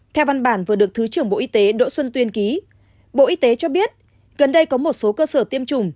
theo văn bản vừa được thứ trưởng bộ y tế đỗ xuân tuyên ký bộ y tế cho biết gần đây có một số cơ sở tiêm chủng